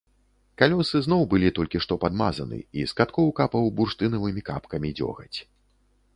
Калёсы зноў былі толькі што падмазаны, і з каткоў капаў бурштынавымі капкамі дзёгаць.